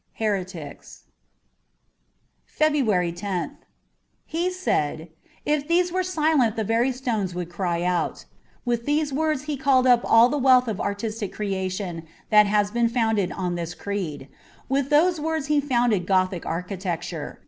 * Heretics.^ 45 FEBRUARY loth HE said :' If these were silent the very stones would cry out.' With these words He called up all the wealth of artistic creation that has been founded on this creed. With those words He founded Gothic architecture.